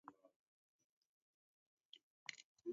Waw'egala tarehe murongodadu na imweri